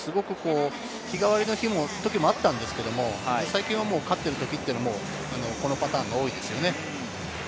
日替わりの時もあったんですけれど、最近は勝っている時はこのパターンが多いですよね。